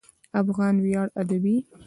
افغان ویاړ ادبي